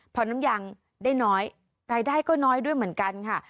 พอน้ำยังได้น้อยรายได้ก็น้อยด้วยเหมือนกันค่ะ